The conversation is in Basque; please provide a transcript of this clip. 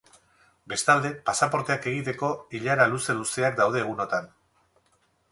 Bestalde, pasaporteak egiteko ilara luze-luzeak daude egunotan.